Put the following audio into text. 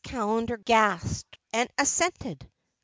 Callender gasped—and assented.